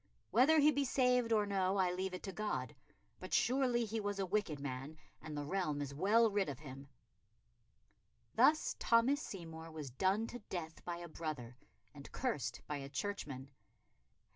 Whether he be saved or no, I leave it to God. But surely he was a wicked man, and the realm is well rid of him." Thus Thomas Seymour was done to death by a brother, and cursed by a churchman.